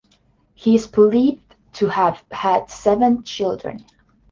He is believed to have had seven children.